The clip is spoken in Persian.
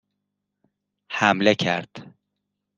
حمله کرد